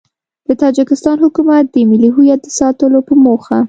د تاجیکستان حکومت د ملي هویت د ساتلو په موخه